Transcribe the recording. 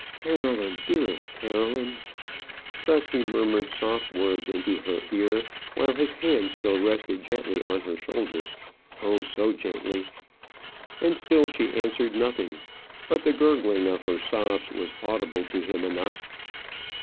"Caroline; dearest Caroline!" Thus he murmured soft words into her ear, while his hand still rested gently on her shoulder oh, so gently! And still she answered nothing, but the gurgling of her sobs was audible to him enough.